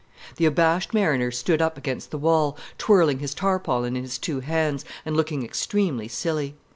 The abashed mariner stood up against the wall, twirling his tarpaulin in his two hands and looking extremely silly.